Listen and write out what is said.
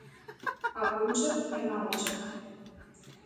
Ако учев ќе научев.